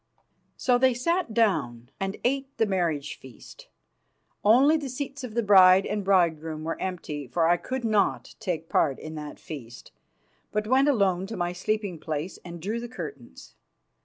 So they sat down and ate the marriage feast. Only the seats of the bride and bridegroom were empty, for I could not take part in that feast, but went alone to my sleeping place and drew the curtains.